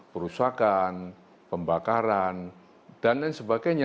perusakan pembakaran dan lain sebagainya